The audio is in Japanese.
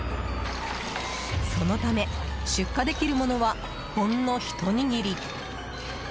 そのため出荷できるものはほんのひと握り。